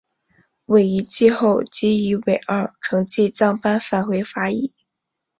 惟一季后即以尾二成绩降班返回法乙。